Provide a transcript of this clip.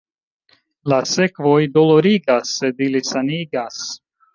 La sekvoj dolorigas, sed ili sanigas.